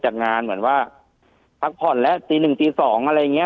จากงานเหมือนว่าพักผ่อนและสิบหนึ่งสิบสองอะไรเนี้ย